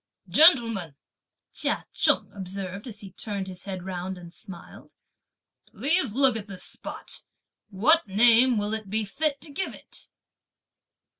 "Gentlemen," Chia Cheng observed, as he turned his head round and smiled, "please look at this spot. What name will it be fit to give it?"